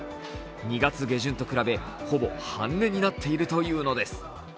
２月下旬と比べほぼ半値になっているというのです。